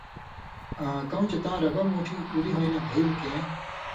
آں کؤں چے تاں ربہ مُوٹھی اُولی ہوئیں نہ بھیل کھیں،